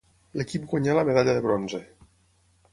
L'equip guanyà la medalla de bronze.